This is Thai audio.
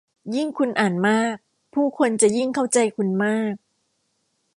ยิ่งคุณอ่านมาก ผู้คนจะยิ่งเข้าใจคุณมาก